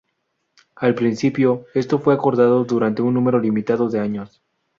Al principio, esto fue acordado durante un número limitado de años.